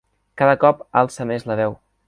Cada cop alça més la veu.